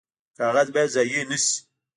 کاغذ باید ضایع نشي